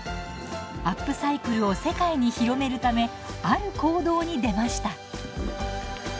アップサイクルを世界に広めるためある行動に出ました。